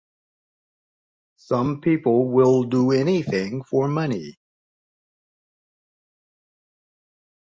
Some people will do anything for money.